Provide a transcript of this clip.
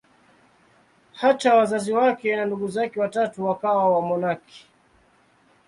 Hata wazazi wake na ndugu zake watatu wakawa wamonaki.